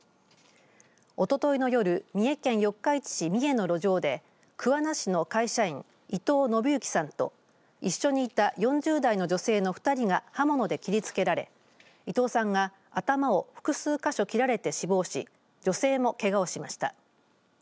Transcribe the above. おとといの夜三重県四日市市三重の路上で桑名市の会社員伊藤信幸さんと一緒にいた４０代の女性の２人が刃物で切りつけられ伊藤さんが頭を複数か所、切られて死亡し女性もけがをしました。